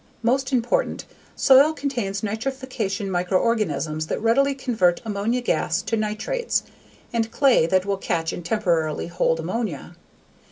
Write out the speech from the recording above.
Most important, soil contains nitrification microorganisms that readily convert ammonia gas to nitrates, and clay that will catch and temporarily hold ammonia.